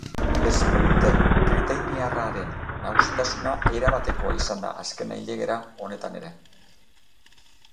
Esprinter britainiarraren nagusitasuna erabatekoa izan da azken ailegaera honetan ere.